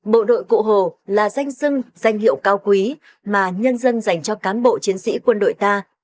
bộ đội cụ hồ là danh sưng danh hiệu cao quý mà nhân dân dành cho cán bộ chiến sĩ quân đội ta